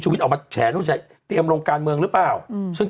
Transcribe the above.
ชูวิตออกมาแฉนั่นแหละเตรียมโรงการเมืองหรือเปล่าอืมซึ่ง